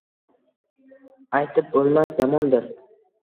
Aytib bo’lmas zamondir».